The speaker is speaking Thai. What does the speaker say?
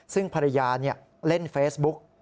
ซึ่งภรรยาเล่นเฟซบุ๊ก